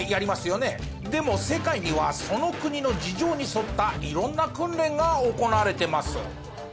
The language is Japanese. でも世界にはその国の事情に沿った色んな訓練が行われてます。